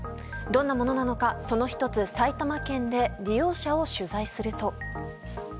どんなものなのか、その１つ埼玉県で利用者を取材すると。